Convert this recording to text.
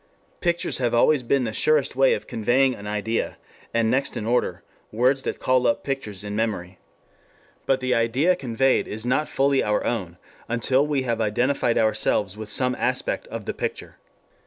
2 Pictures have always been the surest way of conveying an idea, and next in order, words that call up pictures in memory. But the idea conveyed is not fully our own until we have identified ourselves with some aspect of the picture.